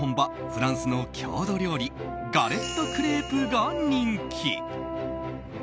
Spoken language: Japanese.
フランスの郷土料理ガレットクレープが人気。